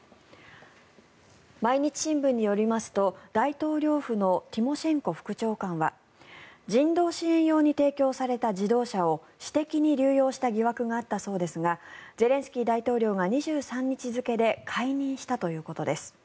毎日新聞によりますと大統領府のティモシェンコ副長官は人道支援用に提供された自動車を私的に流用した疑惑があったそうですがゼレンスキー大統領が２３日付で解任したということです。